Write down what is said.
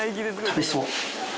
食べそう。